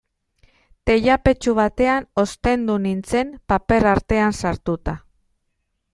Teilapetxu batean ostendu nintzen, paper artean sartuta.